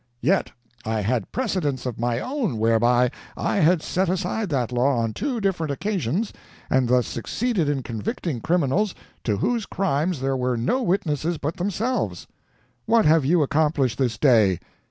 Yet I had precedents of my own whereby I had set aside that law on two different occasions and thus succeeded in convicting criminals to whose crimes there were no witnesses but themselves. What have you accomplished this day?